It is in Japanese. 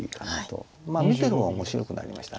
見てる方は面白くなりました。